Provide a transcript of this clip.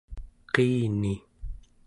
qiini